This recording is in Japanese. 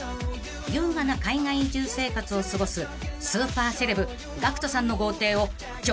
優雅な海外移住生活を過ごすスーパーセレブＧＡＣＫＴさんの豪邸を直撃取材］